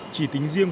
chỉ tính riêng